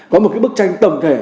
có một cái bức tranh tổng thể